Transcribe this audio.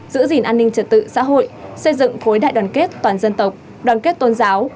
giữ gìn an ninh trật tự xã hội xây dựng khối đại đoàn kết toàn dân tộc đoàn kết tôn giáo